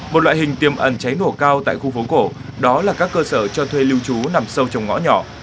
một loại hình tiêm ẩn cháy nổ cao tại khu phố cổ đó là các cơ sở cho thuê lưu trú nằm sâu trong ngõ nhỏ